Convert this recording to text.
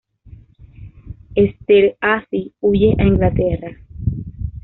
Esterházy huye a Inglaterra.